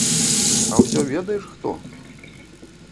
А ўсё ведаеш хто?